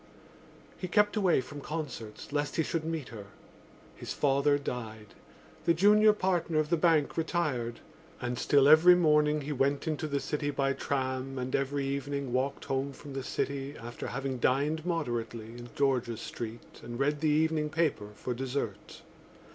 He kept away from concerts lest he should meet her. His father died; the junior partner of the bank retired. And still every morning he went into the city by tram and every evening walked home from the city after having dined moderately in George's Street and read the evening paper for dessert.